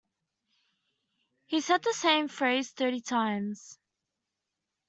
He said the same phrase thirty times.